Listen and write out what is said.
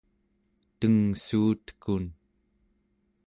tengssuutekun